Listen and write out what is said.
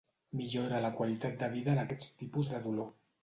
Millora la qualitat de vida en aquests tipus de dolor.